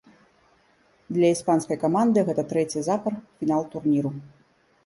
Для іспанскай каманды гэта трэці запар фінал турніру.